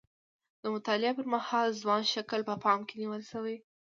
د مطالعې پر مهال ځوان شکل په پام کې نیول شوی.